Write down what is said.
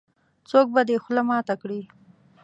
-څوک به دې خوله ماته کړې.